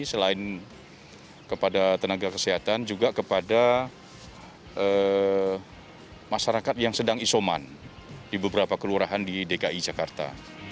selain kepada tenaga kesehatan juga kepada masyarakat yang sedang isoman di beberapa kelurahan di dki jakarta